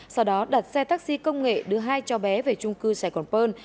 sau đó đặt xe taxi công nghệ đưa hai cho bé về trung cư sài gòn pơn